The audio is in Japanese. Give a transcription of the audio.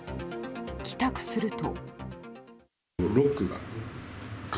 帰宅すると。